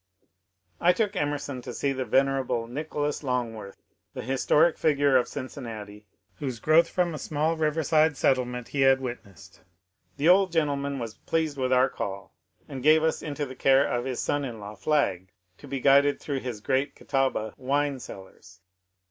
I took Emerson to see the venerable Nicholas Long^orth, the historic figure of Cincinnati, whose growth from a small 284 MONCUEE DANIEL CONWAY riverside setdement he had witnessed. The old gentleman was pleased with our call and gave us into the care of his son in law Flagg to be guided through his great Catawba wine cellars.